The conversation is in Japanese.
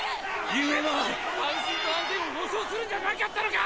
雄英は安心と安全を保証するんじゃなかったのか！